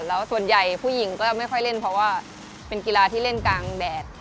แล้วส่วนใหญ่ผู้หญิงก็ไม่ค่อยเล่นเพราะว่าเป็นกีฬาที่เล่นกลางแดด